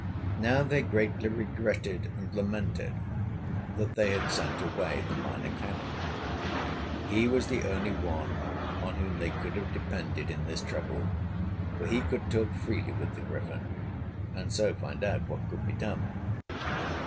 Now they greatly regretted and lamented that they had sent away the Minor Canon; he was the only one on whom they could have depended in this trouble, for he could talk freely with the Griffin, and so find out what could be done.